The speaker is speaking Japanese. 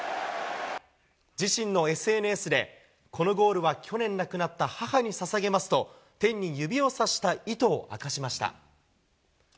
自身のＳＮＳで、このゴールは去年、亡くなった母にささげますと、天に指をさした意図を明かしました。